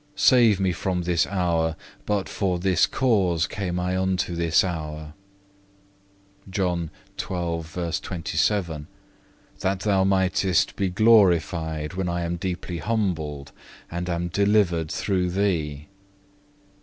Save me from this hour, but for this cause came I unto this hour,(1) that Thou mightest be glorified when I am deeply humbled and am delivered through Thee.